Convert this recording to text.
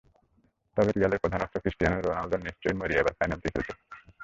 তবে রিয়ালের প্রধান অস্ত্র ক্রিস্টিয়ানো রোনালদো নিশ্চয়ই মরিয়া এবারের ফাইনালটি খেলতে।